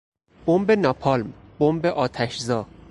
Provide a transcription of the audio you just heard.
بمب ناپالم، بمب آتشزا